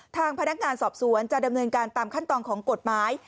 ทางพนักงานสอบสวนจะดำเนินการตามขั้นตอนของกฎหมาย